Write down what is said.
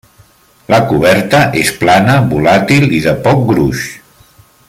La coberta és plana, volàtil i de poc gruix.